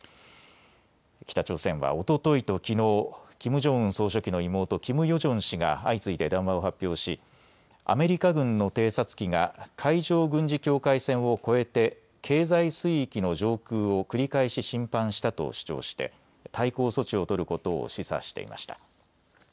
北朝鮮はおとといときのうキム・ジョンウン総書記の妹、キム・ヨジョン氏が相次いで談話を発表しアメリカ軍の偵察機が海上軍事境界線を越えて経済水域の上空を繰り返し侵犯したと主張して対抗措置を取ることを示唆していました。